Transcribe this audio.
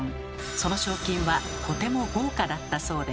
その賞金はとても豪華だったそうで。